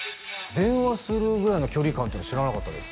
電話するぐらいの距離感っていうの知らなかったです